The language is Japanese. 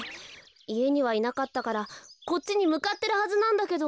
いえにはいなかったからこっちにむかってるはずなんだけど。